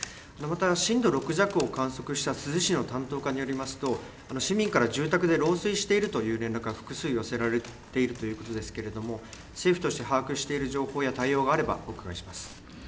また震度６弱を観測した珠洲市の担当課によると市民から住宅で漏水しているという連絡が複数寄せられているということですが政府として把握している情報や対応があればお伺いします。